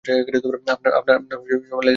আপনার laser Beacon.